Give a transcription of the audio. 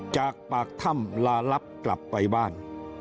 จากปากถ้ำลาลับกลับไปบ้าน